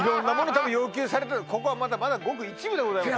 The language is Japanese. たぶん要求されたここはまだごく一部でございます